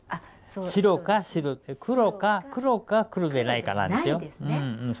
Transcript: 白か白黒か黒でないかなんですよ。